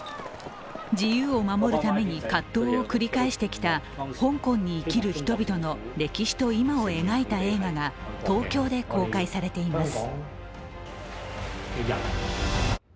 自由を守るために葛藤を繰り返してきた香港に生きる人々の歴史と今を描いた映画が東京で公開されています。